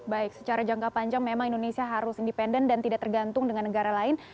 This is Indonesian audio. baik secara jangka panjang memang indonesia harus independen dan tidak tergantung dengan negara lain